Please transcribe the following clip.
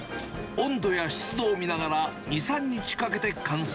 温度や湿度を見ながら、２、３日かけて乾燥。